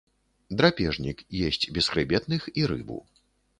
Драпежнік, есць бесхрыбетных і рыбу.